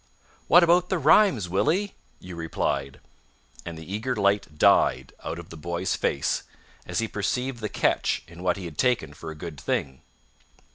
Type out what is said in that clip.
"What about the rhymes, Willie?" you replied, and the eager light died out of the boy's face, as he perceived the catch in what he had taken for a good thing.